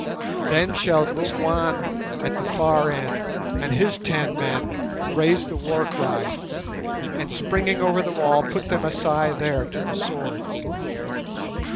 Then shall Bougwan at the far end and his ten men raise the war cry, and, springing over the wall, put the Masai there to the sword.